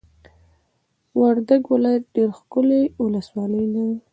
وردګ ولایت ډېرې ښکلې ولسوالۍ لري!